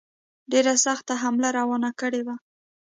ډېره سخته حمله روانه کړې وه.